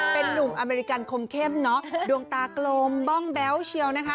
เป็นหนุ่มอเมริกันคมเข้มดวงตากลมบ้องแบ้วเชียว